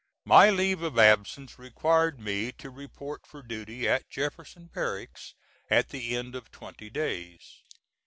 My leave of absence required me to report for duty, at Jefferson Barracks, at the end of twenty days.